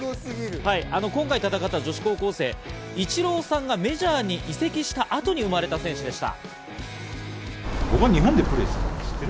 今回戦った女子高校生、イチローさんがメジャーに移籍した後に生まれた選手でした。